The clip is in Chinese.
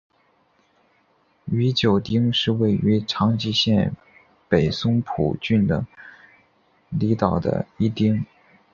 宇久町是位于长崎县北松浦郡的离岛的一町。